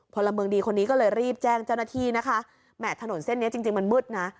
พลเมืองดีคนนี้ก็เลยรีบแจ้งเจ้าหน้าที่นะคะแหม่ถนนเส้นนี้จริงจริงมันมืดนะ